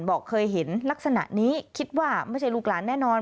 บอกเคยเห็นลักษณะนี้คิดว่าไม่ใช่ลูกหลานแน่นอน